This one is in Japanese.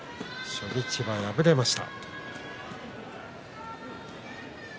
初日は敗れました。